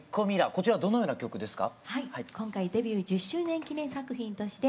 こちらはどのような歌ですか？